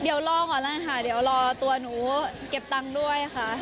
เดี๋ยวรอก่อนเลยค่ะเดี๋ยวรอตัวหนูเก็บตังค์ด้วยค่ะ